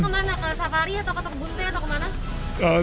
ini kemana ke safari atau ke bunte atau kemana